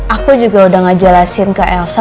aku juga udah ngejelasin ke elsa